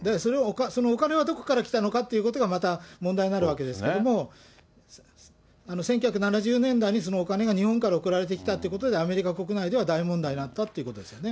そのお金はどこから来たのかということが、また問題になるわけですけれども、１９７０年代にそのお金が日本から送られてきたということで、アメリカ国内では大問題になったということですよね。